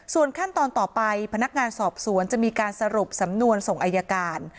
ส่วนขั้นตอนต่อไปพนักงานสอบสวนจะมีการสรุปสำนวนส่งอายการ